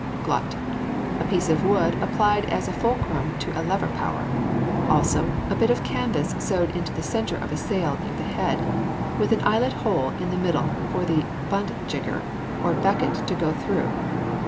GLUT. A piece of wood applied as a fulcrum to a lever power. Also, a bit of canvas sewed into the centre of a sail near the head, with an eyelet hole in the middle for the bunt jigger or becket to go through.